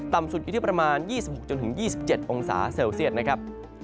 สุดอยู่ที่ประมาณ๒๖๒๗องศาเซลเซียตนะครับ